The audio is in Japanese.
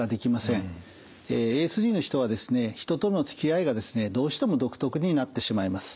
ＡＳＤの人はですね人とのつきあいがですねどうしても独特になってしまいます。